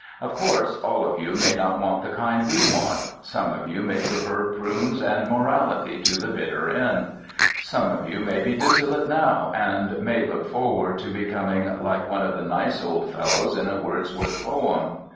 Of course, all of you may not want the kind we want ... some of you may prefer prunes and morality to the bitter end. Some of you may be dissolute now and may look forward to becoming like one of the nice old fellows in a Wordsworth poem.